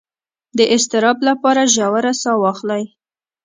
د اضطراب لپاره ژوره ساه واخلئ